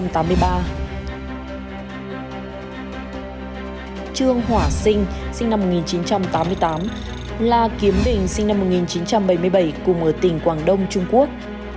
trương hỏa sinh sinh năm một nghìn chín trăm tám mươi tám la kiếm bình sinh năm một nghìn chín trăm bảy mươi bảy cùng ở tỉnh quảng đông trung quốc